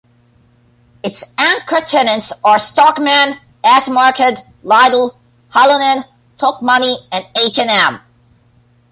Its anchor tenants are Stockmann, S-market, Lidl, Halonen, Tokmanni and H and M.